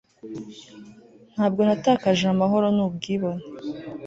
Ntabwo natakaje amahoro nubwibone